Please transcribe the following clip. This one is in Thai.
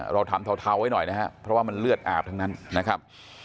เราทำเทาไว้หน่อยนะครับเพราะว่ามันเลือดอาบทั้งนั้นนะครับ